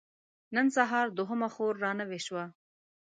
نن سهار دوهمه خور را نوې شوه.